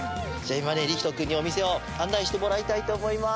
今ねりひと君にお店を案内してもらいたいと思います